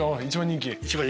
一番人気。